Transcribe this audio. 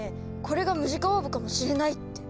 これがムジカオーブかもしれないって。